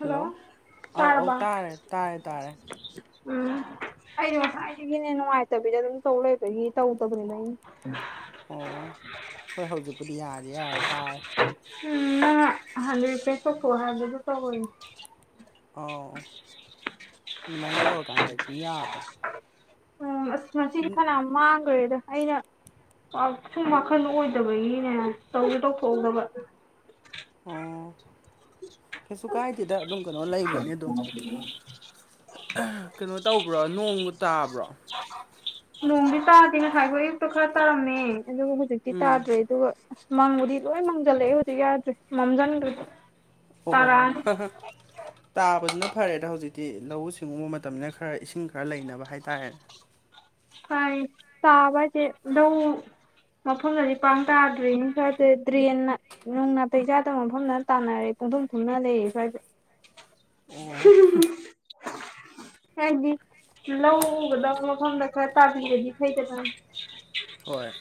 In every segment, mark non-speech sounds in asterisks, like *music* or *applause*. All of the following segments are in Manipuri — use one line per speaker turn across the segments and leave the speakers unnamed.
ꯍꯜꯂꯣ ꯑꯧ ꯑꯧ
ꯇꯥꯔꯕ
ꯇꯥꯔꯦ ꯇꯥꯔꯦ ꯇꯥꯔꯦ
ꯎꯝ ꯑꯩꯗꯤ ꯉꯁꯥꯏꯗꯒꯤꯅꯦ ꯅꯨꯡꯉꯥꯏꯇꯕꯤꯗ ꯑꯗꯨꯝ ꯇꯧ ꯂꯩꯕꯒꯤ ꯇꯧꯗꯕꯅꯤꯅ ꯑꯩꯅ
ꯑꯣ ꯍꯣꯏ ꯍꯧꯖꯤꯛꯄꯨꯗꯤ ꯌꯥꯔꯦ ꯌꯥꯔ ꯇꯔ
ꯎꯝ ꯍꯥꯏꯗꯤꯄ ꯄꯀꯣ ꯍꯥꯏꯗꯄꯧꯕ
ꯑꯥꯎ ꯑꯗꯨꯃꯥꯏꯅ ꯇꯧꯔꯀꯥꯟꯗ ꯑꯩ ꯌꯥꯕꯅꯦ
ꯎ ꯑꯁ ꯃꯁꯤꯗꯤ
ꯎꯝ
ꯐꯅꯥ ꯃꯥꯡꯈ꯭ꯔꯦꯗ ꯑꯩꯅ ꯄ ꯁꯨꯝ ꯋꯥꯈꯜ ꯑꯣꯏꯗꯕꯒꯤꯅꯦ ꯇꯧ ꯇꯧꯊꯣꯛꯎꯗꯕ
ꯑꯣ ꯀꯩꯁꯨ ꯀꯥꯏꯗꯗ ꯑꯗꯨꯝ ꯀꯩꯅꯣ
ꯍ
ꯂꯩꯕꯅꯦ ꯑꯗꯨꯝ ꯀꯩꯅꯣ ꯇꯧꯕ꯭ꯔꯣ ꯅꯣꯡꯕꯨ ꯇꯥꯕ꯭ꯔꯣ
ꯅꯣꯡꯗꯤ ꯇꯥꯗꯦꯅꯦ ꯍꯥꯏꯕꯣ ꯑꯌꯨꯛꯇꯣ ꯈꯔ ꯇꯥꯔꯝꯃꯦ ꯑꯗꯨꯕꯨ ꯍꯧꯖꯤꯛꯇꯤ
ꯎꯝ
ꯇꯥꯗ꯭ꯔꯦ ꯑꯗꯨꯒ ꯑꯁ ꯃꯪꯕꯨꯗꯤ ꯂꯣꯏ ꯃꯥꯡꯖꯜꯂꯛꯑꯦ ꯍꯧꯖꯤꯛ ꯌꯥꯗ꯭꯭ꯔꯦ ꯃꯝꯖꯟꯗ꯭ꯔꯗꯤ
ꯑꯣ
*unintelligible*
ꯇꯥꯕꯗꯨꯅ ꯐꯔꯦ ꯑꯗ ꯍꯧꯖꯤꯛꯇꯤ ꯂꯧꯎ ꯁꯤꯡꯎꯕ ꯃꯇꯝꯅꯤꯅ ꯈꯔ ꯏꯁꯤꯡ ꯈꯔ ꯂꯩꯅꯕ ꯍꯥꯏꯇꯥꯔꯦ
ꯍꯥꯏ ꯇꯥꯕꯖꯦ ꯅꯧ ꯃꯐꯝꯗꯗꯤ ꯄꯥꯡ ꯇꯥꯗ꯭ꯔꯤꯅꯤ ꯈꯗ ꯗ꯭ꯔꯦꯟꯅ ꯅꯅꯨꯡ ꯅꯥꯇꯩ ꯆꯥꯗꯕ ꯃꯐꯝꯗ ꯇꯥꯟꯅꯔꯦ ꯄꯨꯡꯊꯨꯝ ꯊꯨꯝꯅ ꯂꯩꯔ ꯁ꯭ꯋꯥꯏꯗ
ꯑꯣ
ꯍꯥꯏꯗꯤ ꯂꯧꯒꯗꯕ ꯃꯐꯝꯗ ꯈꯔ ꯇꯥꯕꯤꯔꯗꯤ ꯐꯩꯗ ꯆꯪ
ꯍꯣꯏ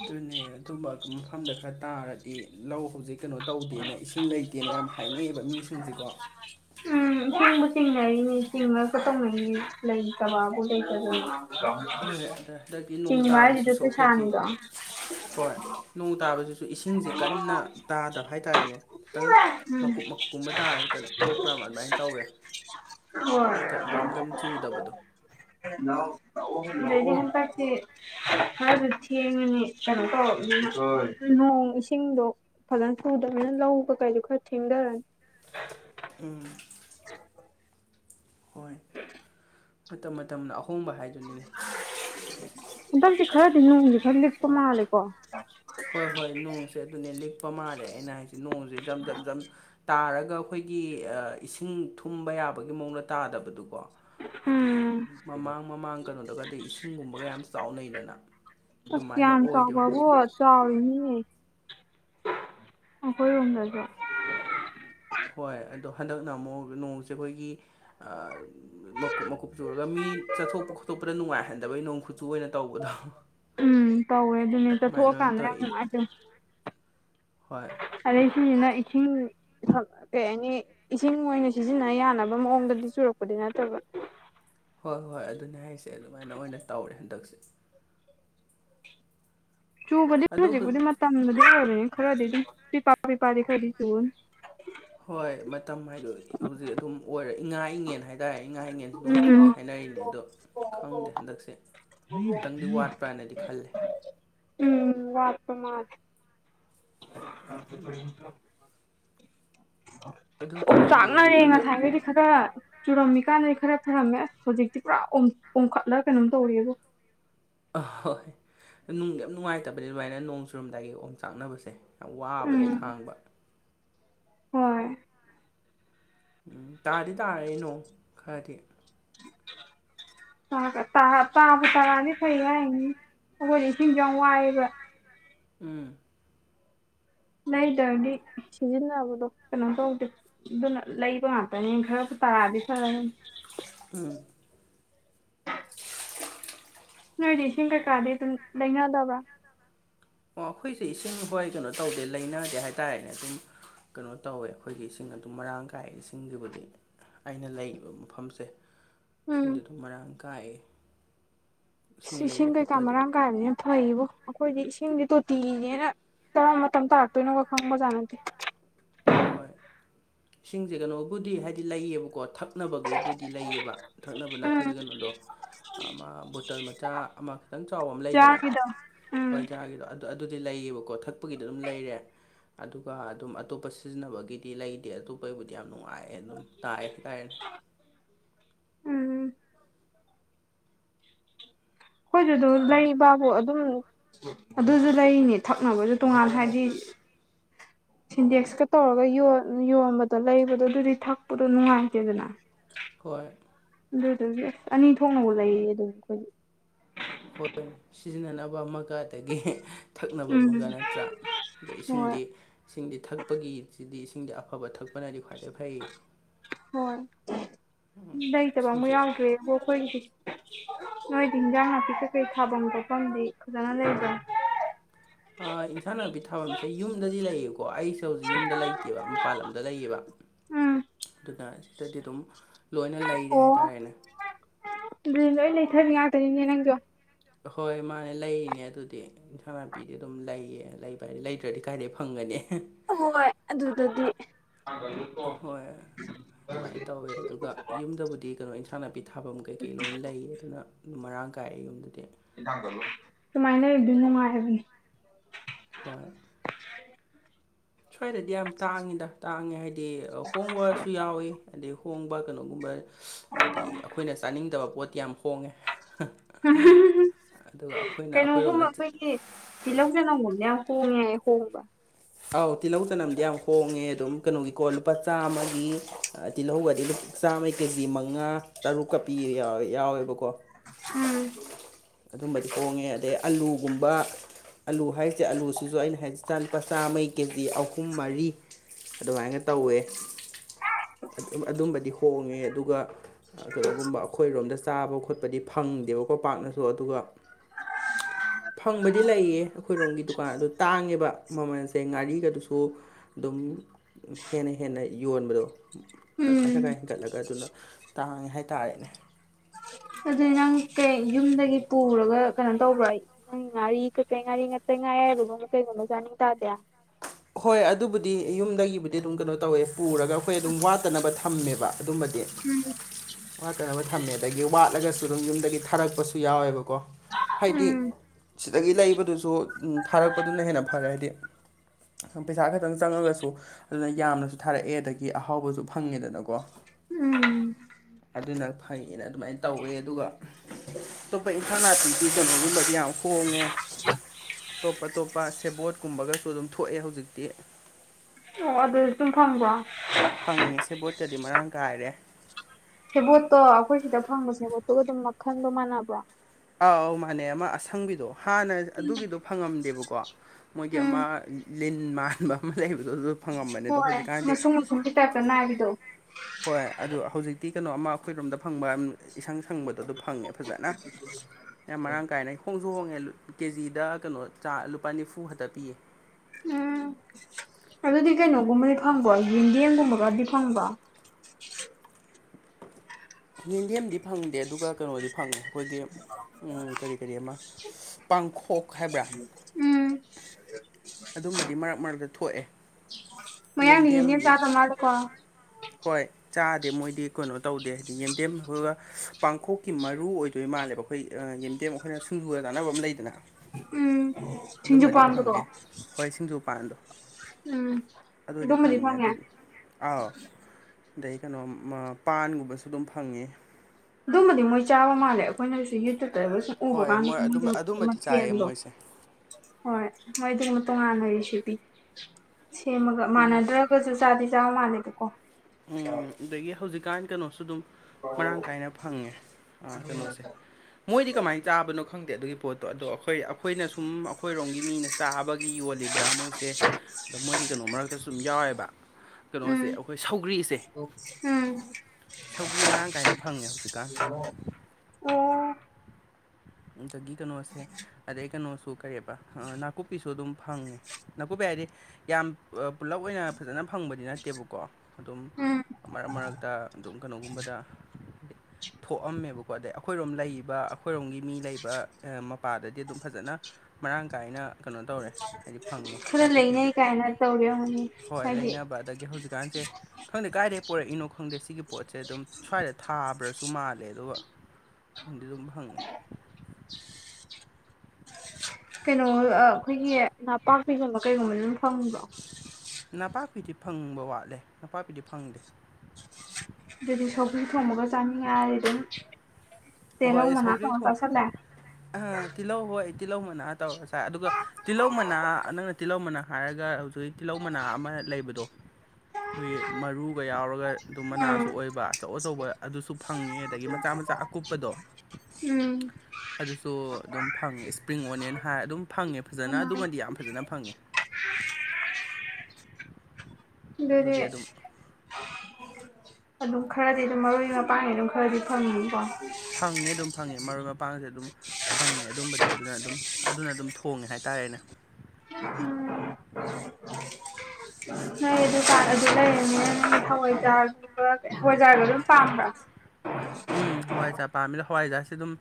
ꯑꯗꯨꯅꯦ ꯑꯗꯨꯝꯕ ꯃꯐꯝꯗ ꯈꯔ ꯇꯥꯔꯗꯤ ꯂꯧ ꯍꯧꯖꯤꯛ ꯀꯩꯅꯣ ꯇꯧꯗꯦꯅ ꯏꯁꯤꯡ ꯂꯩꯇꯦꯅ ꯌꯥꯝ ꯍꯥꯏꯅꯩꯌꯦꯕ ꯃꯤꯁꯤꯡꯁꯤꯀꯣ
ꯎꯝ ꯏꯁꯤꯡꯕꯨ ꯆꯤꯡꯅꯔꯤꯅꯤ ꯆꯤꯡꯉ ꯈꯗꯧꯅꯒꯤ ꯂꯩꯇꯕꯕꯨ ꯂꯩꯇꯗꯅꯤ
ꯍꯣꯏ ꯑꯗ ꯍꯟꯗꯛꯇꯤ ꯅꯣꯡ
ꯆꯕꯥ ꯍꯏꯁꯤꯁꯨ
ꯇꯥꯕꯁꯤꯁꯨ ꯑꯩꯈꯣꯏꯒꯤ
ꯄꯩꯁꯥꯅꯤꯗꯣ
ꯍꯣꯏ ꯅꯣꯡ ꯇꯥꯕꯁꯤꯁꯨ ꯏꯁꯤꯡꯁꯦ ꯀꯟꯅ ꯇꯥꯗꯕ ꯍꯥꯏꯇꯥꯔꯦꯅꯦ ꯈꯤꯇꯪ
ꯎꯝ
ꯃꯀꯨꯞ ꯃꯀꯨꯞꯀꯨꯝꯕ ꯇꯥꯔ ꯍꯦ ꯇꯣꯛꯄ꯭ꯔ ꯑꯃ ꯑꯗꯨꯃꯥꯏꯅ ꯇꯧꯋꯦ ꯖꯝ ꯖꯝ ꯖꯝ ꯆꯨꯗꯕꯗꯣ
*unintelligible* ꯃꯗꯤ ꯍ ꯄꯁꯤ ꯃꯥꯁꯨ ꯊꯦꯡꯉꯅꯤ ꯀꯩꯅꯣ ꯇꯧꯔꯕꯅꯤꯅ ꯅꯣꯡ ꯏꯁꯤꯡꯗꯣ ꯐꯖꯅ ꯁꯨꯗꯃꯅ ꯂꯧꯕ ꯀꯩꯁꯨ ꯈꯔ ꯊꯦꯡꯊꯔꯅꯤ
ꯎꯝ
*unintelligible*
ꯍꯣꯏ ꯃꯇꯝ ꯃꯇꯝꯅ ꯑꯍꯣꯡꯕ ꯍꯥꯏ
ꯃꯇꯝꯇꯪꯗꯤ ꯈꯔꯗꯤ ꯅꯣꯡꯁꯦ ꯈꯔ ꯂꯤꯛꯄ ꯃꯥꯜꯂꯦꯀꯣ
ꯍꯣꯏ ꯍꯣꯏ ꯅꯣꯡꯁꯦ ꯑꯗꯨꯅꯦ ꯂꯤꯛꯄ ꯃꯥꯜꯂꯦ ꯑꯩꯅ ꯍꯥꯏꯁꯦ ꯅꯣꯡꯁꯦ ꯗꯖꯝ ꯇꯝ ꯝ ꯇꯥꯔꯒ ꯑꯩꯈꯣꯏꯒꯤ ꯏꯁꯤꯡ ꯊꯨꯝꯕ ꯌꯥꯕꯒꯤ ꯃꯑꯣꯡꯗ ꯇꯥꯗꯕꯗꯨꯀꯣ ꯍꯥꯏꯗꯤ ꯃꯃꯥꯡ ꯃꯃꯥꯡ ꯀꯩꯅꯣꯗꯒꯗꯤ ꯏꯁꯤꯡꯒꯨꯝꯕꯒ ꯌꯥꯝ ꯆꯥꯎꯅꯩꯗꯅ ꯑꯗꯨꯃꯥꯏꯅ
ꯁꯌꯥꯟ
ꯑꯣꯏꯗꯦꯕ
ꯆꯕꯕꯨ
ꯍꯟꯗꯛꯁꯦ
ꯆꯥꯎꯔꯤꯅꯤꯅꯦ ꯑꯩꯈꯣꯏꯔꯣꯝꯗꯁꯨ
ꯍꯣꯏ ꯑꯗꯣ ꯍꯟꯗꯛꯅ ꯑꯃꯨꯛ ꯅꯣꯡꯁꯦ ꯑꯩꯈꯣꯏꯒꯤ ꯃꯀꯨꯞ ꯃꯀꯨꯞ ꯆꯨꯔꯒ ꯃꯤ ꯆꯠꯊꯣꯛꯄ ꯈꯣꯠꯇꯣꯛꯄꯗ ꯅꯨꯡꯉꯥꯏꯍꯟꯗꯕꯩ ꯅꯣꯡ ꯈꯨꯠꯆꯨ ꯑꯣꯏꯅ ꯇꯧꯕꯗꯣ
ꯎꯝ ꯇꯧꯋꯦ ꯑꯗꯨꯅꯦ
ꯑꯗꯨꯃꯥꯏꯅ ꯑꯣꯏꯅ
ꯆꯠꯊꯣꯛꯑꯀꯥꯟꯗ ꯌꯥꯝ
ꯇꯧꯔꯛꯏꯁꯦ
ꯅꯨꯡꯉꯥꯏꯖꯦ
ꯍꯣꯏ
ꯑꯗꯩ ꯏꯁꯤꯡꯁꯤꯅ ꯏꯁꯤꯡ ꯀꯩ ꯍꯥꯏꯅꯤ ꯏꯁꯤꯡ ꯑꯣꯏꯅ ꯁꯤꯖꯤꯟꯅ ꯌꯥꯅꯕ ꯃꯑꯣꯡꯗꯗꯤ ꯆꯨꯔꯛꯄꯗꯤ ꯅꯠꯇꯕ
ꯍꯣꯏ ꯍꯣꯏ ꯑꯗꯨꯅꯦ ꯍꯥꯏꯁꯦ ꯑꯗꯨꯃꯥꯏꯅ ꯑꯣꯏꯅ ꯇꯧꯔꯦ ꯍꯟꯗꯛꯁꯦ
ꯆꯨꯕꯗꯤ
ꯑꯗꯨꯒ
ꯍꯧꯖꯤꯛꯄꯨꯗꯤ ꯃꯇꯝꯗꯗꯤ ꯑꯣꯏꯔꯅꯤ ꯈꯔꯗꯤ ꯑꯗꯨꯝ ꯄꯤꯄꯥ ꯄꯤꯄꯥꯗꯤ ꯈꯔꯗꯤ ꯆꯨꯒꯅꯤ
ꯍꯣꯏ ꯃꯇꯝ ꯍꯥꯏꯗꯣ ꯍꯧꯖꯤꯛ ꯑꯗꯨꯝ ꯑꯣꯏꯔꯣ ꯏꯉꯥ ꯏꯉꯦꯟ ꯍꯥꯏꯇꯥꯔꯦ ꯏ ꯉꯥ ꯏꯉꯦꯟꯁꯨ ꯅꯣꯡ ꯆꯨꯏꯒ
ꯎꯝ
ꯍꯥꯏꯅꯔꯤꯅꯦ ꯑꯗꯣ ꯈꯪꯗꯦ ꯍꯟꯗꯛꯁꯦ ꯈꯤꯇꯪꯗꯤ ꯋꯥꯠꯄ꯭ꯔꯅꯗꯤ ꯈꯜꯂꯦ
ꯎꯝ ꯋꯥꯄ ꯃꯥ *unintelligible* *unintelligible*
ꯑꯗꯨ ꯀꯩꯅꯣꯗꯤ
ꯑꯣꯝꯆꯥꯛꯅꯔꯦ
ꯍꯗꯣꯛ
ꯉꯁꯥꯏꯒꯗꯤ ꯈꯔ ꯆꯨꯔꯝꯃꯤꯀꯥꯟꯗꯗꯤ ꯈꯔ ꯊꯔꯝꯃꯦ ꯍꯧꯖꯤꯛꯇꯤ ꯄꯨꯔꯥ ꯑꯣꯡꯈꯠꯂ ꯀꯩꯅꯣꯝ ꯇꯧꯔꯦꯕꯣ
ꯑꯍꯣꯏ ꯍꯣꯏ ꯅꯨꯡꯗ ꯌꯥꯝ ꯅꯨꯡꯉꯥꯏꯇꯕꯅꯤ ꯑꯗꯨꯃꯥꯏꯅ ꯅꯣꯡ ꯆꯨꯔꯝꯗꯥꯏꯒꯤ ꯑꯣꯝ ꯆꯥꯛꯅꯕꯁꯦ ꯌꯥꯝ
ꯎꯝ
ꯋꯥꯕꯅꯦ ꯈꯥꯡꯕ
ꯍꯣꯏ
ꯎꯝ ꯇꯥꯗꯤ ꯇꯥꯔꯅꯣ ꯈꯔꯗꯤ
ꯇꯥꯕ ꯇꯥꯔꯥꯅꯤ ꯐꯩ ꯍꯥꯏꯅꯤ ꯑꯩꯈꯣꯏꯅ ꯏꯁꯤꯡꯁꯨ ꯌꯥꯝ ꯋꯥꯏꯑꯦꯕ
ꯎꯝ
ꯂꯩꯗ꯭ꯔꯅꯤ ꯁꯤꯖꯤꯟꯅꯕꯗꯣ ꯀꯩꯅꯣ ꯇꯧꯗꯦ ꯑꯗꯨꯅ ꯂꯩꯕ ꯉꯥꯛꯇꯅꯦ ꯈꯔꯕꯨ ꯇꯥꯔꯗꯤ ꯐꯔꯦ
ꯎꯝ
ꯅꯣꯏꯗꯤ ꯏꯁꯤꯡ ꯀꯩꯀꯥꯗꯤ ꯑꯗꯨꯝ ꯂꯩꯅꯗꯕ
ꯑꯣ ꯑꯩꯈꯣꯏꯁꯦ ꯏꯁꯤꯡ ꯍꯣꯏ ꯀꯩꯅꯣ ꯇꯧꯗꯦ ꯂꯩꯅꯗꯦ ꯍꯥꯏꯇꯥꯥꯔꯦꯅꯦ ꯑꯗꯨꯝ ꯀꯩꯅꯣ ꯇꯧꯋꯦ ꯑꯩꯈꯣꯏꯒꯤ ꯏꯁꯤꯡ ꯑꯗꯨ ꯃꯔꯥꯡ ꯀꯥꯏ ꯏꯁꯤꯡꯒꯤꯗꯨꯕꯨꯗꯤ ꯑꯩꯅ ꯂꯩꯕ ꯃꯐꯝꯁꯦ
ꯎꯝ
ꯁꯤꯡꯗ ꯑꯗꯨꯝ ꯃꯔꯥꯡ ꯀꯥꯏꯑ
ꯁꯤꯁꯤꯡ ꯀꯩ ꯀꯃꯔꯥꯡ ꯀꯥꯏꯔꯔꯤ ꯐꯩꯔꯤꯕꯣ ꯑꯩꯈꯣꯏꯗꯤ ꯏꯁꯤꯡꯗꯤ ꯇꯣꯇꯤꯅꯦꯦꯅ ꯇꯔꯥ ꯃꯇꯝ ꯇꯥꯔꯛꯇꯣꯏꯅꯣꯒ ꯈꯪꯕꯖꯥꯠꯅꯠꯇꯦ
ꯍꯣꯏ ꯏꯁꯤꯡꯁꯦ ꯀꯩꯅꯣꯕꯨꯗꯤ ꯍꯥꯏꯗꯤ ꯂꯩꯌꯦꯕꯀꯣ ꯊꯛ ꯊꯛꯅꯕꯒꯤꯕꯨꯗꯤ ꯂꯩꯌꯦꯕ ꯊꯛꯅꯕ ꯅ
ꯎꯝ
ꯑꯩꯈꯣꯏꯒꯤ ꯀꯩꯅꯣꯗꯣ ꯑꯃ ꯕꯨꯇꯜ ꯃꯆꯥ ꯑꯃ ꯈꯤꯇꯪ ꯆꯥꯎꯕ ꯑꯃ ꯂꯩꯗꯅ
ꯖꯥꯔꯒꯤꯗꯣ
ꯍꯣꯏ
ꯎꯝ
ꯖꯥꯒꯤꯗꯣ ꯑꯗꯨ ꯑꯗꯨꯗꯤ ꯂꯩꯌꯦꯕꯀꯣ ꯊꯛꯄꯒꯤꯗꯤ ꯑꯗꯨꯝ ꯂꯩꯔꯦ ꯑꯗꯨꯒ ꯑꯗꯨꯝ ꯑꯇꯣꯞꯄ ꯁꯤꯖꯤꯟꯅꯕꯒꯤꯗꯤ ꯂꯩꯇꯦ ꯑꯇꯣꯞꯄꯩꯕꯨꯗꯤ ꯌꯥꯝ ꯅꯨꯡꯉꯥꯏ ꯑꯗꯨꯝ ꯇꯥꯏ ꯍꯥꯏꯇꯥꯔꯦꯅꯦ
ꯎꯝ ꯑꯩꯈꯣꯏꯗꯨꯗ ꯂꯩꯕꯕꯨ ꯑꯗꯨꯝ ꯑꯗꯨꯁꯨ ꯂꯩꯅꯦ ꯊꯛꯅꯕꯁꯨ ꯇꯣꯉꯥꯟꯅ ꯍꯥꯏꯗꯤ ꯁꯤꯟꯗꯦꯛꯁꯀ ꯇꯧꯔꯒ ꯌꯣꯟꯕꯗꯣ ꯂꯩꯕꯗꯣ ꯑꯗꯨꯗꯤ ꯊꯛꯄꯗꯣ ꯅꯨꯡꯉꯥꯏꯇꯦꯗꯅ
ꯍꯣꯏ
ꯑꯗꯨꯗꯨꯗꯤ ꯑꯁ ꯑꯅꯤ ꯊꯣꯛꯅꯕꯨ ꯂꯩꯌꯦ ꯑꯗꯨꯝ ꯑꯩꯈꯣꯏ
ꯍꯣꯏ ꯁꯤꯖꯤꯟꯅꯅꯕ ꯑꯃꯒꯗꯒꯤ ꯊꯛꯅꯕ
ꯎꯝ
ꯑꯃꯒ ꯅꯠꯇ꯭ꯔꯥ ꯑꯗꯣ
ꯍꯣꯏ
ꯏꯁꯤꯡꯗꯤ ꯏꯁꯤꯡꯗꯤ ꯊꯛꯄꯒꯤꯁꯤꯗꯤ ꯏꯁꯤꯡꯗꯤ ꯑꯐꯕ ꯊꯛꯄꯅꯗꯤ ꯈ꯭ꯋꯥꯏꯗꯩ ꯐꯩꯌꯦ
ꯍꯣꯏ ꯂꯩꯇꯕ ꯑꯃ
ꯏꯁꯤꯡꯁꯦ
ꯌꯥꯎꯗ꯭ꯔꯦ ꯑꯩꯈꯣꯏꯒꯤꯁꯤ ꯅꯣꯏꯗꯤ ꯏꯟꯖꯥꯡ ꯅꯥꯄꯤ ꯀꯀꯩ ꯊꯥꯐꯝ ꯆꯣꯠꯐꯝꯗꯤ ꯐꯖꯅ ꯂꯩꯕ꯭ꯔꯦ
ꯏꯟꯁꯥꯡ ꯅꯥꯄꯤ ꯊꯥꯐꯝꯁꯦ ꯌꯨꯝꯗꯗꯤ ꯂꯩꯌꯦꯀꯣ ꯑꯩꯁꯦ ꯍꯧꯖꯤꯛ ꯌꯨꯝꯗ ꯂꯩꯇꯦꯕ ꯃꯄꯥꯟ ꯂꯝꯗ ꯂꯩꯌꯦꯕ
ꯎꯝ
ꯑꯗꯨꯅ ꯁꯤꯗꯗꯤ ꯑꯗꯨꯝ ꯂꯣꯏꯅ ꯂꯩꯔꯦ ꯍꯥꯏꯇꯥꯔꯦꯅꯦ
ꯑꯗꯨ ꯂꯣꯏ ꯂꯩꯊꯕꯤ ꯉꯥꯛꯇꯅꯤꯅꯦ ꯅꯪꯁꯨꯣ
ꯍꯣꯏ ꯃꯥꯅꯦ ꯂꯩꯔꯤꯅꯦ ꯑꯗꯨꯗꯤ ꯏꯟꯊꯥꯡ ꯅꯥꯄꯤꯗꯤ ꯑꯗꯨꯝ ꯂꯩꯌꯦ ꯂꯩꯕ ꯍꯥꯏꯗꯤ ꯂꯩꯇ꯭ꯔꯗꯤ ꯀꯥꯏꯗꯩ ꯐꯪꯒꯅꯤ
ꯍꯣꯏ ꯑꯗꯨꯗꯗꯤ
ꯑꯍꯣꯏ ꯑꯗꯨꯃꯥꯏꯅ ꯇꯧꯋꯦ ꯑꯗꯨꯒ ꯌꯨꯝꯗꯕꯨꯗꯤ ꯀꯩꯅꯣ ꯑꯣꯏꯅ ꯊ ꯁꯥꯡ ꯅꯥꯄꯤ ꯊꯥꯐꯝ ꯀꯩꯀꯩ ꯂꯣꯏꯅ ꯂꯩ ꯑꯗꯨꯅ ꯃꯔꯥꯡ ꯀꯥꯏ ꯑꯩ ꯌꯨꯝꯗꯗꯤ
ꯑꯗꯨꯃꯥꯏꯅ ꯂꯩꯕꯗꯨ ꯅꯨꯡꯉꯥꯏ ꯍꯥꯏꯕꯅꯤ
ꯍꯣꯏ ꯁ꯭ꯋꯥꯏꯗꯗꯤ ꯌꯥꯝ ꯇꯥꯡꯉꯤꯗ ꯇꯥꯡꯉꯦ ꯍꯥꯏꯗꯤ ꯍꯣꯡꯕꯁꯨ ꯌꯥꯎꯋꯤ ꯑꯗꯩ ꯍꯣꯡꯕ ꯀꯩꯅꯣꯒꯨꯝꯕ ꯍꯥꯏꯗꯤ ꯑꯩꯈꯣꯏꯅ ꯆꯥꯅꯤꯡꯗꯕ ꯄꯣꯠꯇꯤ ꯌꯥꯝ ꯍꯣꯡꯉꯦ ꯑꯗꯨꯒ ꯑꯩꯈꯣꯏꯅ ꯑꯩꯈꯣꯏꯔꯣꯝꯅ
ꯇꯤꯂꯁꯅꯥ ꯃꯦ ꯍꯣꯡꯉ ꯌꯥꯏ ꯍꯣꯡꯣꯡꯕ
ꯑꯥꯎ ꯇꯤꯜꯍꯧ ꯆꯅꯝꯗꯤ ꯌꯥꯝ ꯍꯣꯡꯉꯦ ꯑꯗꯨꯝ ꯀꯩꯅꯣꯒꯤꯀꯣ ꯂꯨꯄꯥ ꯆꯥꯝꯃꯒꯤ ꯇꯤꯜꯍꯧꯒꯗꯤ ꯆꯥꯝꯃꯩ ꯀꯦꯖꯤ ꯃꯉꯥ ꯇꯔꯨꯛꯀ ꯄꯤ ꯌꯥꯎꯋꯦꯕꯀꯣ
ꯎꯝ
ꯑꯗꯨꯝꯕꯗꯤ ꯊꯣꯡꯉꯦ ꯑꯗꯩ ꯑꯂꯨꯒꯨꯝꯕ ꯑꯥꯂꯨ ꯍꯥꯏꯔꯤꯁꯦ ꯑꯥꯂꯨꯁꯤꯁꯨ ꯑꯩꯅ ꯍꯥꯏꯖꯤꯇꯥꯥꯟ ꯂꯨꯄꯥ ꯆꯥꯝꯃꯩ ꯀꯦ ꯖꯤ ꯑꯍꯨꯝ ꯃꯔꯤ ꯑꯗꯨꯃꯥꯏꯅ ꯇꯧꯋꯦ ꯑꯗꯨꯝꯕꯗꯤ ꯍꯣꯡꯉꯦ ꯑꯗꯨꯒ ꯀꯗꯣꯒꯨꯝꯕ ꯑꯩꯈꯣꯏꯔꯣꯝꯗ ꯆꯥꯕ ꯈꯣꯠꯄꯗꯤ ꯐꯪꯗꯦꯕꯀꯣ ꯄꯥꯛꯅ ꯑꯗꯣ ꯑꯗꯨꯒ ꯐꯪꯕꯗꯤ ꯂꯩꯌꯦ ꯑꯩꯈꯣꯏꯔꯣꯝꯒꯤ ꯗꯨꯀꯥꯟ ꯑꯗꯨꯗꯣ ꯇꯥꯡꯉꯦꯕ ꯃꯃꯜꯁꯦ ꯉꯥꯔꯤꯒꯗꯨꯁꯨ ꯑꯗꯨꯝ ꯍꯦꯟꯅ ꯍꯦꯟꯅ ꯌꯣꯟꯕꯗꯣ ꯇꯛꯈꯥꯏ
ꯎꯝ
ꯇꯪꯈꯥꯏ ꯍꯦꯟꯒꯠꯂꯒ ꯑꯗꯨꯅ ꯇꯥꯡꯉꯦ ꯍꯥꯏꯇꯥꯔꯦꯅꯦ
ꯑꯗꯨꯗꯤ ꯅꯪ ꯀꯩ ꯌꯨꯝꯗꯒꯤ ꯄꯨꯔꯒ ꯀꯩꯅꯣ ꯇꯧꯕ꯭ꯔꯥ ꯅꯪ ꯉꯥꯔꯤ ꯀꯩꯀꯩ ꯉꯥꯔꯤ ꯉꯇꯩ ꯉꯥ ꯑꯌꯥꯏꯕꯒꯨꯝꯕ ꯀꯩꯒꯨꯝꯕ ꯆꯥꯅꯤꯡ ꯇꯥꯗꯦ
ꯍꯣꯏ ꯑꯗꯨꯕꯨꯗꯤ ꯌꯨꯝꯗꯒꯤꯕꯨꯗꯤ ꯑꯗꯨꯝ ꯀꯩꯅꯣ ꯇꯧꯋꯦ ꯄꯨꯔꯒ ꯑꯩꯈꯣꯏ ꯑꯗꯨꯝ ꯋꯥꯠꯇꯅꯕ ꯊꯝꯃꯦꯕ ꯑꯗꯨꯝꯕꯗꯤ
ꯎꯝ
ꯋꯥꯠꯇꯅꯕ ꯊꯝꯃꯦ ꯑꯗꯒꯤ ꯋꯥꯠꯂꯒꯁꯨ ꯑꯗꯨꯝ ꯌꯨꯝꯗꯒꯤ ꯊꯥꯔꯛꯄꯁꯨ ꯌꯥꯎꯋꯦꯕꯀꯣ ꯍꯥꯏꯗꯤ
ꯎꯝ
ꯁꯤꯗꯒꯤ ꯂꯩꯕꯗꯨꯁꯨ ꯊꯥꯔꯛꯄꯗꯨꯅ ꯍꯦꯟꯅ ꯐꯔꯦ ꯍꯥꯏꯗꯤ ꯨꯝ ꯄꯩꯁꯥ ꯈꯛꯇꯪ ꯆꯪꯉꯒꯁꯨ ꯑꯗꯨꯅ ꯌꯥꯝꯅꯁꯨ ꯊꯥꯔꯛꯑꯦ ꯑꯗꯒꯤ ꯑꯍꯥꯎꯕꯁꯨ ꯐꯪꯉꯦꯗꯅꯀꯣ
ꯎꯝ
ꯑꯗꯨꯅ ꯐꯩꯉꯦꯅ ꯑꯗꯨꯃꯥꯏꯅ ꯇꯧꯋꯦ ꯑꯗꯨꯒ ꯑꯇꯣꯞꯄ ꯏꯟꯐꯥꯡꯜ ꯅꯥꯄꯤꯒꯤ ꯀꯩꯅꯣꯒꯨꯝꯕꯗꯤ ꯌꯥꯝ ꯍꯣꯡꯉꯦ ꯑꯇꯣꯞ ꯑꯇꯣꯞꯄ ꯁꯦꯕꯣꯠꯀꯨꯝꯕꯒꯁꯨ ꯑꯗꯨꯝ ꯊꯣꯛꯑꯦ ꯍꯧꯖꯤꯛꯇꯤ
ꯑꯣ ꯑꯗꯨ ꯑꯗꯨꯝ ꯐꯪꯕ꯭ꯔꯣ
ꯐꯪꯉꯦ ꯁꯦ ꯕꯣꯠꯇꯗꯤ ꯃꯔꯥꯡ ꯀꯥꯏꯔꯦ
ꯁꯦꯕꯣꯠꯇꯣ ꯑꯩꯈꯣꯏ ꯁꯤꯗ ꯐꯪꯕ ꯁꯦꯕꯣꯠꯇꯨꯒ ꯑꯗꯨꯝ ꯃꯈꯟꯒꯣ ꯃꯥꯟꯅꯕ꯭ꯔꯣ
ꯑ ꯑꯧ ꯃꯥꯅꯦ ꯑꯃ ꯑꯁꯪꯕꯤꯗꯣ ꯍꯥꯟꯅ ꯑꯗꯨꯒꯤꯗꯣ ꯐꯪꯉꯝꯗꯦꯕꯀꯣ ꯃꯣꯏꯒꯤ
ꯎꯝ
ꯑꯃ ꯂꯤꯟ ꯃꯥꯟꯕ ꯑꯃ ꯂꯩꯕꯗꯨꯁꯨ ꯐꯪꯉꯝꯕꯅꯤ ꯑꯗꯣ
ꯍꯣꯏ
ꯍꯧꯖꯤꯛꯀꯥꯟꯗꯤ
ꯃꯁꯨꯡ ꯃꯁꯨꯡꯒꯤ ꯇꯥꯏꯞꯇ ꯅꯥꯏꯕꯤꯗꯣ
ꯍꯣꯏ ꯑꯗꯨ ꯍꯧꯖꯤꯛꯇꯤ ꯀꯩꯅꯣꯝꯃ ꯑꯩꯈꯣꯏꯔꯣꯝꯗ ꯐꯪꯕ ꯏꯁꯪ ꯁꯪꯕꯗꯣ ꯑꯗꯨ ꯐꯪꯉꯦ ꯐꯖꯅ ꯌꯥꯝ ꯃꯔꯥꯡ ꯀꯥꯏꯅ ꯍꯣꯡꯁꯨ ꯍꯣꯡꯉꯦ ꯀꯦꯖꯤꯗ ꯀꯩꯅꯣ ꯆꯥ ꯂꯨꯄꯥ ꯅꯤꯐꯨ ꯈꯛꯇ ꯄꯤꯌꯦ
ꯎꯝ ꯑꯗꯨꯗꯤ ꯀꯩꯅꯣꯒꯨꯝꯕꯗꯤ ꯐꯪꯕ ꯌꯦꯟꯗꯦꯝꯒꯨꯝꯕ ꯈꯗꯤ ꯐꯪꯕꯣ
ꯌꯦꯟꯗꯦꯝꯗꯤ ꯐꯪꯗꯦ ꯑꯗꯨꯒ ꯀꯩꯅꯣꯗꯤ ꯐꯪꯉꯦ ꯑꯩꯈꯣꯏꯒꯤ ꯎꯝ ꯀꯔꯤ ꯀꯔꯤ ꯑꯃ ꯄꯥꯡꯈꯣꯛ ꯍꯥꯏꯕ꯭ꯔꯥ
ꯎꯝ
ꯑꯗꯨꯝꯕꯗꯤ ꯃꯔꯛ ꯃꯔꯛꯇ ꯊꯣꯛꯑꯦ
ꯃꯌꯥꯡꯗꯤ ꯌꯦꯟꯗꯦꯝ
ꯌꯦꯝꯗꯦꯝꯗꯤ
ꯆꯥꯗ ꯃꯥꯜꯂꯦꯀꯣ
ꯍꯣꯏ ꯆꯥꯗꯦ ꯃꯣꯏꯗꯤ ꯀꯩꯅꯣ ꯇꯧꯗꯦ ꯍꯥꯏꯗꯤ ꯌꯦꯦꯝꯗꯦꯝ ꯑꯩꯈꯣꯏꯒ ꯄꯥꯡꯈꯣꯛꯀꯤ ꯃꯔꯨ ꯑꯣꯏꯗꯣꯏ ꯃꯥꯜꯂꯦꯕꯣ ꯑꯩꯈꯣꯏ ꯌꯦꯦꯝꯗꯦꯝ ꯑꯩꯈꯣꯏꯅ ꯁꯤꯡꯖꯨꯒ ꯇꯥꯟꯅꯕ ꯑꯃ ꯂꯩꯗꯅ
ꯎꯝ ꯆꯤꯡꯖꯨ
ꯑꯗꯨꯝꯕꯗꯤ
ꯄꯥꯟꯕꯗꯣ
ꯐꯪꯉꯦ ꯍꯣꯏ ꯁꯤꯡꯖꯨꯄꯥꯟꯗꯣ
ꯎꯝ
ꯑꯗꯨꯗꯤ ꯐꯪꯉꯦ ꯑꯗꯨꯒꯤ ꯑꯧ ꯑꯗꯩ ꯀꯩꯅꯣ ꯄꯥꯟꯒꯨꯝꯕꯁꯨ ꯑꯗꯨꯝ ꯐꯪꯉꯤ
ꯑꯗꯨꯝꯕꯗꯤ ꯃꯣꯏ ꯆꯥꯕ ꯃꯥꯜꯂꯦ ꯑꯩꯈꯣꯏꯅꯁꯨ ꯌꯨꯠꯇꯠꯇꯒꯁꯨ ꯑꯣ
ꯍꯣꯏ
ꯀꯃꯤ
ꯃꯣꯏ ꯑꯗꯨꯝꯕ ꯑꯗꯨꯝꯕꯗꯤ ꯆꯥꯏꯌꯦ
ꯃꯊꯦꯜꯗꯣ
ꯃꯣꯏꯁꯦ
ꯍꯣꯏ ꯃꯣꯏ ꯑꯗꯨꯃꯇ ꯇꯣꯉꯥꯜ ꯂꯩꯔꯤꯁꯤꯗꯤ ꯁꯦꯝꯃꯒ
ꯎꯝ
ꯃꯥꯟꯅꯗ꯭ꯔ ꯍꯧꯖꯤꯁꯨ ꯁꯥꯗꯤ ꯆ ꯃꯥꯅꯦꯕꯀꯣ
ꯎꯝ ꯑꯗꯒꯤ ꯍꯧꯖꯤꯛꯀꯥꯟ ꯀꯩꯅꯣꯁꯨ ꯑꯗꯨꯝ ꯃꯔꯥꯡ ꯀꯥꯏꯅ ꯐꯪꯉꯦ ꯀꯩꯅꯣꯁꯦ ꯃꯣꯏꯗꯤ ꯀꯃꯥꯏꯅ ꯆꯥꯕꯅꯣ ꯈꯪꯗꯦ ꯑꯗꯨꯒꯤ ꯄꯣꯠꯇꯣ ꯑꯗꯣ ꯑꯩꯈꯣꯏ ꯑꯩꯈꯣꯏꯅ ꯁꯨꯝ ꯑꯩꯈꯣꯏꯔꯣꯝꯒꯤ ꯃꯤꯅ ꯆꯥꯕꯒꯤ ꯌꯣꯜꯂꯤꯕ꯭ꯔꯥ ꯃꯣꯏꯁꯦ ꯑ ꯃꯣꯏꯒꯤ ꯀꯩꯅꯣ ꯃꯔꯛꯇ ꯁꯨꯝ ꯌꯥꯎꯋꯦꯕ ꯀꯩꯅꯣꯁꯦ
ꯎꯝ
ꯑꯩꯈꯣꯏ ꯇꯤꯁꯦ
ꯎꯝ
ꯁꯧꯒ꯭ꯔꯤ ꯃꯔꯥꯡ ꯀꯥꯏꯅ ꯐꯪꯉꯦ ꯍꯧꯖꯤꯛꯀꯥꯟ
*unintelligible* ꯑꯣ
ꯑꯗꯒꯤ ꯀꯩꯅꯣ ꯁꯦ ꯑꯗꯩ ꯀꯩꯅꯣꯁꯨ ꯀꯔꯤꯕ ꯅꯥꯀꯨꯞꯄꯤꯁꯨ ꯑꯗꯨꯝ ꯐꯪꯉꯦ ꯅꯥꯀꯨꯞꯄꯤ ꯍꯥꯏꯗꯤ ꯌꯥꯝ ꯄꯨꯂꯞ ꯑꯣꯏꯅ ꯐꯖꯅ ꯐꯪꯕꯗꯤ ꯅꯠꯇꯦꯕꯀꯣ ꯑꯗꯨꯝ
ꯎꯝ
ꯃꯔꯛ ꯃꯔꯛꯇ ꯑꯗꯨꯝ ꯀꯩꯅꯣꯒꯨꯝꯕꯗ ꯊꯣꯛꯑꯝꯃꯦꯕꯀꯣ ꯑꯗꯩ ꯑꯩꯈꯣꯏꯔꯣꯝ ꯂꯩꯕ ꯑꯩꯈꯣꯏꯔꯣꯝꯒꯤ ꯃꯤ ꯂꯩꯕ ꯃꯄꯥꯗꯗꯤ ꯑꯗꯨꯝ ꯐꯖꯅ ꯃꯔꯥꯡ ꯀꯥꯏꯅ ꯀꯩꯅꯣ ꯇꯧꯔꯦ ꯍꯥꯏꯗꯤ ꯐꯪꯉꯦ
ꯈꯔ
ꯅꯥꯀꯨꯞꯄꯤꯗꯤ
ꯂꯩꯅꯩ ꯀꯥꯏꯅ ꯇꯧꯔꯤ ꯑꯣꯏꯔꯝꯒꯅꯤ
ꯍꯣꯏ
ꯍꯥꯏꯗꯤ
ꯂꯩꯅꯕ ꯑꯗꯒꯤ ꯍꯧꯖꯤꯛ ꯍꯧꯖꯤꯀꯥꯟꯁꯦ ꯈꯪꯗꯦ ꯀꯥꯏꯗꯦ ꯄꯣꯔꯛꯏꯅꯣ ꯈꯪꯗꯦ ꯁꯤꯒꯤ ꯄꯣꯠꯁꯦ ꯑꯗꯨꯝ ꯁ꯭ꯋꯥꯏꯗ ꯊꯥꯕ꯭ꯔꯁꯨ ꯇꯨ ꯃꯥꯜꯂꯦ ꯑꯗꯨꯒ ꯐꯪꯗꯤ ꯑꯗꯨꯝ ꯐꯪꯉꯦ
ꯀꯩꯅꯣ ꯑꯩꯈꯣꯏꯒꯤ ꯅꯄꯥꯛꯄꯤꯒꯨꯝꯕ ꯀꯩꯒꯨꯝꯕ ꯐꯪꯕ꯭ꯔꯣ
ꯅꯄꯥꯛꯄꯤꯗꯤ ꯐꯪꯕ ꯋꯥꯠꯂꯦ ꯅꯄꯥꯛꯄꯤꯗꯤ ꯐꯪꯗꯦ
ꯑꯗꯨꯗꯤ ꯁꯧꯒ꯭ꯔꯤ ꯊꯣꯡꯕꯒ ꯆꯥꯅꯤꯡꯉꯥ ꯑꯗꯨꯝ ꯗꯦꯂꯧ
ꯍꯣꯏ
ꯃꯅꯥ
ꯁꯧꯒ꯭ꯔꯤ ꯊꯣꯡ
ꯇꯧꯔꯒ ꯥꯁꯔꯂꯦ
ꯑ ꯇꯤꯜꯍꯧ ꯍꯣꯏ ꯇꯤꯜꯍꯧ ꯃꯅꯥ ꯇꯧꯔꯁꯥꯏ ꯑꯗꯨꯒ ꯇꯤꯜꯍꯧ ꯃꯅꯥ ꯅꯪꯅ ꯇꯤꯜꯍꯧ ꯃꯅꯥ ꯍꯥꯏꯔꯒ ꯍꯧꯖꯤꯛ ꯇꯤꯜꯍꯧ ꯃꯅꯥ ꯑꯃ ꯂꯩꯕꯗꯣ ꯑꯩꯈꯣꯏꯒꯤ ꯃꯔꯨꯒ ꯌꯥꯎꯔꯒ ꯑꯗꯨꯝ ꯃꯅꯥꯁꯨ ꯑꯣꯏꯕ ꯑꯆꯧ ꯑꯆꯧꯕ ꯑꯗꯨꯁꯨ ꯐꯪꯉꯦ ꯑꯗꯒꯤ ꯃꯆꯥ ꯃꯆꯥ ꯑꯀꯨꯞꯄꯗꯣ
ꯎꯝ
ꯑꯗꯨꯁꯨ ꯑꯗꯨꯝ ꯐꯪꯉꯦ ꯏꯁꯄ꯭ꯔꯤꯡ ꯑꯣꯅꯤꯌꯟ ꯍꯥꯏꯔ ꯑꯗꯨꯝ ꯐꯪꯉꯦ ꯐꯖꯅ ꯑꯗꯨꯒꯃꯗꯤ ꯌꯥꯝ ꯐꯖꯅ ꯐꯪꯉꯦ ꯑꯗꯨꯗꯤ ꯑꯗꯨꯝ
ꯑꯗꯨꯝ ꯈꯔꯗꯤ ꯑꯗꯨꯝ ꯃꯔꯣꯏ ꯃꯄꯥꯡꯒꯤ ꯑꯗꯨꯝ ꯈꯔꯗꯤ ꯐꯪꯉꯅꯤꯀꯣ
ꯐꯪꯉꯦ ꯑꯗꯨꯝ ꯐꯪꯉꯦ ꯃꯔꯣꯏ ꯃꯄꯥꯡꯁꯦ ꯑꯗꯨꯝ ꯐꯪꯉꯦ ꯑꯗꯨꯝꯕꯗꯤ ꯑꯗꯨꯅ ꯑꯗꯨꯝ ꯑꯗꯨꯅ ꯑꯗꯨꯝ ꯊꯣꯡꯉꯦ ꯍꯥꯏꯇꯥꯔꯦꯅꯦ
ꯎꯝ ꯗꯨꯀꯥꯟ ꯑꯗꯨ ꯂꯩꯔꯦꯅꯦ ꯍꯋꯥꯏꯖꯥꯔꯒꯨꯝꯕ ꯍꯋꯥꯏꯖꯥꯔꯒ ꯑꯗꯨꯝ ꯄꯥꯝꯕ꯭ꯔꯥ
ꯎꯝ ꯍꯋꯥꯏꯖꯥ ꯄꯥꯝꯃꯤꯗ ꯍꯋꯥꯏꯖꯥꯥꯁꯦ ꯑꯗꯨꯝ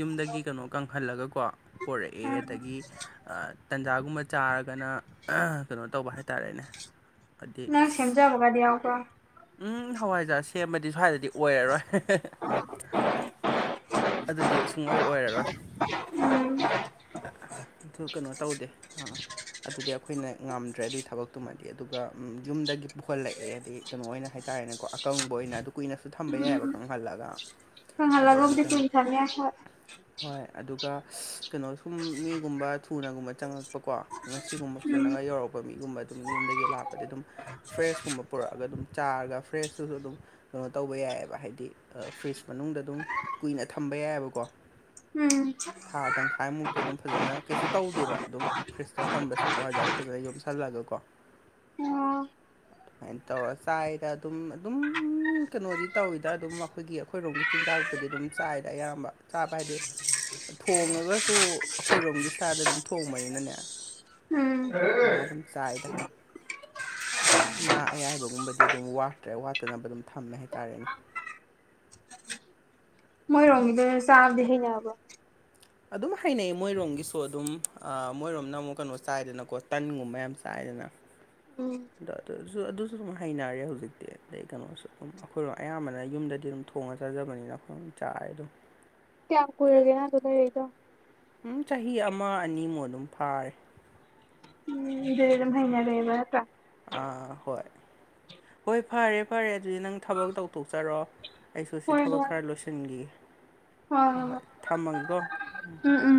ꯌꯨꯝꯗꯒꯤ ꯀꯩꯅꯣ ꯀꯪꯍꯜꯂꯒꯀꯣ ꯄꯣꯔꯛꯑꯦ ꯑꯗꯒꯤ ꯇꯟꯖꯥꯒꯨꯝꯕ ꯆꯥꯔꯒꯅ ꯀꯩꯅꯣ ꯇꯧꯕ ꯍꯥꯏꯇꯥꯔꯦꯅꯦ ꯍꯥꯏꯗꯤ
ꯅꯪ ꯁꯦꯝꯖꯕꯒꯗꯤ ꯌꯥꯎꯕ꯭ꯔꯣ
ꯎꯝ ꯍꯋꯥꯏꯖꯥꯔ ꯁꯦꯝꯕꯗꯤ ꯁ꯭ꯋꯥꯏꯗꯗꯤ ꯑꯣꯏꯔꯔꯣꯏ ꯑꯗꯨꯗꯤ ꯁꯨꯡꯑꯣꯣꯏ ꯑꯣꯏꯔꯔꯣꯏ
ꯎꯝ
ꯑꯗꯨ ꯀꯩꯅꯣ ꯇꯧꯗꯦ ꯑꯥ ꯑꯗꯨꯗꯤ ꯑꯩꯈꯣꯏꯅ ꯉꯝꯗ꯭ꯔꯦ ꯑꯗꯨꯒꯤ ꯊꯕꯛꯇꯨꯃꯗꯤ ꯑꯗꯨꯒ ꯌꯨꯝꯗꯒꯤ ꯄꯨꯍꯜꯂꯛꯑꯦ ꯍꯥꯏꯗꯤ ꯀꯩꯅꯣ ꯑꯣꯏꯅ ꯍꯥꯏꯇꯥꯔꯦꯅꯦꯀꯣ ꯑꯀꯪꯕ ꯑꯣꯏꯅ ꯑꯗꯨ ꯀꯨꯏꯅꯁꯨ ꯊꯝꯕ ꯌꯥꯏꯑꯕ ꯀꯪꯍꯜꯂꯒ ꯑꯗꯒꯤ
ꯀꯉꯂꯒꯣꯕꯨꯗꯤ ꯀ
ꯀꯩꯅꯣ
ꯆꯅꯤ ꯑꯁ
ꯀꯥ ꯏꯁ ꯀꯩꯅꯣ ꯁꯨꯝ ꯃꯤꯒꯨꯝꯕ ꯊꯨꯅꯒꯨꯝꯕ ꯆꯪꯉꯛꯄꯀꯣ ꯉꯁꯤꯒꯨꯝꯕ
ꯎꯝ
ꯐꯖꯅꯒ ꯌꯧꯔꯛꯄ ꯃꯤꯒꯨꯝꯕ ꯑꯗꯨꯝ ꯌꯨꯝꯗꯒꯤ ꯂꯥꯛꯄ ꯗꯤ ꯑꯗꯨꯝ ꯐ꯭ꯔꯦꯁꯀꯨꯝꯕ ꯄꯨꯔꯛꯑꯒ ꯑꯗꯨꯝ ꯆꯥꯔꯒ ꯐ꯭ꯔꯦꯁꯇꯨꯁꯨ ꯑꯗꯨꯝ ꯀꯩꯅꯣ ꯇꯧꯕ ꯌꯥꯏꯑꯕ ꯍꯥꯏꯗꯤ ꯐ꯭ꯔꯤꯖ ꯃꯅꯨꯡꯗ ꯑꯗꯨꯝ ꯀꯨꯏꯅ ꯊꯝꯕ ꯌꯥꯏꯑꯕꯀꯣ
ꯎꯝ
ꯊꯥ ꯇꯪꯈꯥꯏꯃꯨꯛꯇꯤ ꯑꯗꯨꯝ ꯐꯖꯅ ꯀꯩꯁꯨ ꯇꯧꯗꯦꯕ ꯑꯗꯨꯝ ꯐ꯭ꯔꯤꯖꯇ ꯊꯝꯕꯁꯦ ꯍꯋꯥꯏꯖꯥꯗ ꯐꯖꯅ ꯌꯣꯝꯁꯜꯂꯒ ꯀꯣ
ꯑꯣ
ꯑꯗꯨꯃꯥꯏꯅ ꯇꯧꯔꯒ ꯆꯥꯏꯗ ꯑꯗꯨꯝ ꯑꯗꯨꯝ ꯀꯩꯅꯣꯗꯤ ꯇꯧꯋꯤꯗ ꯑꯗꯨꯝ ꯑꯩꯈꯣꯏꯒꯤ ꯑꯩꯈꯣꯏꯔꯣꯝꯒꯤ ꯆꯤꯟꯖꯥꯛꯄꯨꯗꯤ ꯑꯗꯨꯝ ꯆꯥꯏꯗ ꯑꯌꯥꯝꯕ ꯆꯥꯕ ꯍꯥꯏꯗꯤ ꯊꯣꯡꯉꯒꯁꯨ ꯑꯩꯈꯣꯏꯔꯣꯝꯒꯤ ꯏꯁꯇꯥꯥꯗ ꯑꯗꯨꯝ ꯊꯣꯡꯕꯅꯤꯅꯅꯦ
ꯎꯝ
ꯑꯗꯨꯃꯥꯏ ꯑꯗꯨꯝ ꯆꯥꯏꯗ ꯉꯥ ꯑꯌꯥꯏꯕꯒꯨꯝꯕꯗꯤ ꯑꯗꯨꯝ ꯋꯥꯠꯇ꯭ꯔꯦ ꯋꯥꯠꯇꯅꯕ ꯑꯗꯨꯝ ꯊꯝꯃꯦ ꯍꯥꯏꯇꯥꯔꯦꯅꯦ
ꯃꯣꯏꯔꯣꯝꯒꯤꯗ ꯆꯥꯕꯗꯤ ꯍꯩꯅꯑꯕ
ꯑꯗꯨꯝ ꯍꯩꯅꯩ ꯃꯣꯏꯔꯣꯝꯒꯤꯁꯨ ꯑꯗꯨꯝ ꯃꯣꯏꯔꯣꯝꯅ ꯑꯃꯨꯛ ꯀꯩꯅꯣ ꯆꯥꯏꯗꯅꯀꯣ ꯇꯟꯒꯨꯝꯕ ꯌꯥꯝ ꯆꯥꯏꯗꯅ
ꯎꯝ
ꯑꯗꯣ ꯑꯗꯨꯁꯨ ꯑꯗꯨꯁꯨ ꯑꯗꯨꯝ ꯍꯩꯅꯔꯦ ꯍꯧꯖꯤꯛꯇꯤ ꯑꯗꯩ ꯀꯩꯅꯣꯁꯨ ꯑꯗꯨꯝ ꯑꯩꯈꯣꯏꯔꯣꯝ ꯑꯌꯥꯝꯕꯅ ꯌꯨꯝꯗꯗꯤ ꯑꯗꯨꯝ ꯊꯣꯡꯉꯒ ꯆꯥꯖꯕꯅꯤꯅ ꯑꯩꯈꯣꯏ ꯆꯥꯏꯗꯣ
ꯀꯌꯥꯝ ꯀꯨꯏꯔꯒꯦꯅ ꯑꯗꯨ ꯂꯩꯔꯗꯣ
ꯎꯝ ꯆꯍꯤ ꯑꯃ ꯑꯅꯤꯃꯨꯛ ꯑꯗꯨꯝ ꯐꯥꯔꯦ
ꯗꯦ ꯃꯩꯅꯌꯥ ꯂꯩꯕꯠꯇ
ꯑꯥ ꯍꯣꯏ ꯍꯣꯏ ꯐꯔꯦ ꯐꯔꯦ ꯑꯗꯨꯗꯤ ꯅꯪ ꯊꯕꯛ ꯇꯧꯊꯣꯛꯆꯔꯣ ꯑꯩꯁꯨ ꯁꯤ
ꯍꯣꯏ
ꯊꯕꯛ
ꯍꯣꯏ
ꯈꯔ ꯂꯣꯏꯁꯤꯟꯈꯤꯒꯦ ꯍꯣꯏ ꯍꯣꯏ ꯊꯝꯃꯒꯦꯀꯣ
ꯎꯝ ꯎꯝ